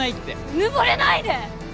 うぬぼれないで！